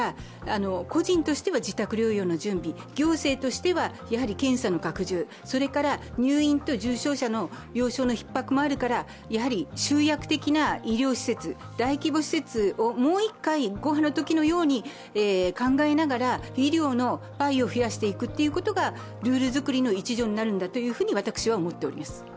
個人としては自宅療養の準備、行政としては検査の拡充、それから入院と重症者の病床のひっ迫もあるから集約的な医療施設、大規模施設をもう一回、５波のときのように考えながら、医療のパイを増やしていくということがルール作りの一助になるんだと私は思っております。